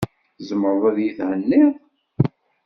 Tzemreḍ ad iyi-thenniḍ?